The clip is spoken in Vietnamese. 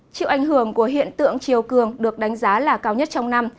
chịu ảnh hưởng của hiện tượng chiều cường được đánh giá là cao nhất trong năm